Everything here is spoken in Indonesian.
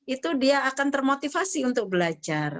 itu dia akan termotivasi untuk belajar